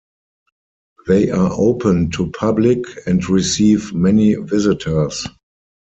They are open to public and receive many visitors.